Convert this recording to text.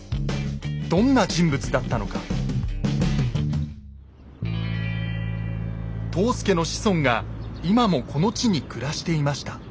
どんな人物だったのか藤助の子孫が今もこの地に暮らしていました